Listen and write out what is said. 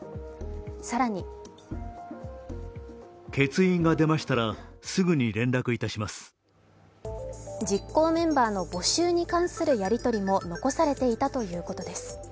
更に実行メンバーの募集に関するやりとりも残されていたということです。